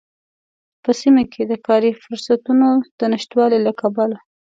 په سيمه کې د کاری فرصوتونو د نشتوالي له کبله